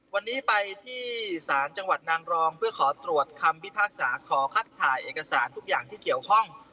วันนี้ไปที่ศาลจังหวัดนางรองเพื่อขอตรวจคำพิพากษาขอคัดถ่ายเอกสารทุกอย่างที่เกี่ยวข้อง